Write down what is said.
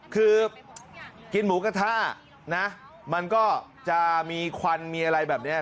คือกินหมูกระทะนะมันก็จะมีควันมีอะไรแบบนี้